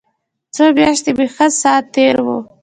څو مياشتې مې ښه ساعت تېر و.